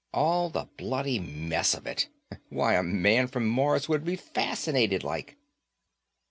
All the bloody mess of it. Why, a man from Mars would be fascinated, like."